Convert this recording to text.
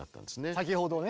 先ほどね